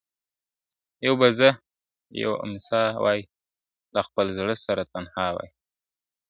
یو به زه یوه امسا وای له خپل زړه سره تنها وای ,